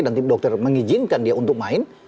dan tim dokter mengizinkan dia untuk main